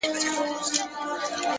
د زړه سکون له سم نیت زېږي!.